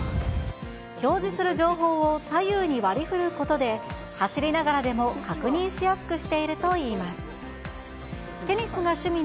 表示する情報を左右に割りふることで、走りながらでも確認しやすくしているといいます。